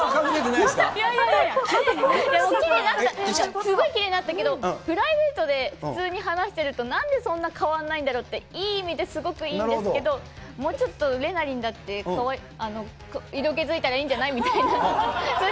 すごい、きれいになったけど、プライベートで普通に話してると、なんでそんな変わんないんだろうって、いい意味で、すごくいいんですけど、もうちょっと、れなりんだって色気づいたらいいんじゃないみたいな。